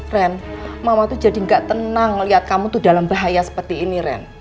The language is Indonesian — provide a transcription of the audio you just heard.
ren mama tuh jadi gak tenang melihat kamu tuh dalam bahaya seperti ini ren